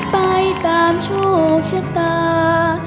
ไปตามโชคชะตา